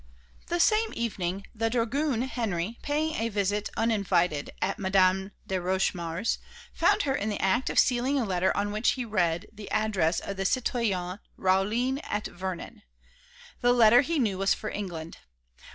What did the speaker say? The same evening the dragoon Henry, paying a visit uninvited at Madame de Rochemaure's, found her in the act of sealing a letter on which he read the address of the citoyen Rauline at Vernon. The letter, he knew, was for England.